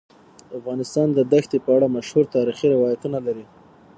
افغانستان د دښتې په اړه مشهور تاریخی روایتونه لري.